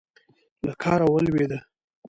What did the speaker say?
له کاره ولوېده.